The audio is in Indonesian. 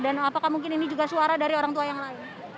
dan apakah mungkin ini juga suara dari orang tua yang lain